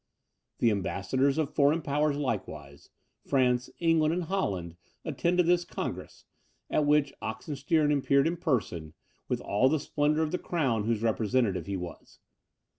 The ambassadors of foreign powers likewise, France, England, and Holland, attended this Congress, at which Oxenstiern appeared in person, with all the splendour of the crown whose representative he was.